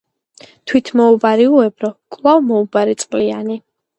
თვით მეომარი უებრო, კვლა მოუბარი წყლიანი.